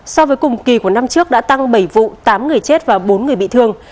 so với cùng kỳ của năm trước đã tăng bảy vụ tám người chết và bốn người bị thương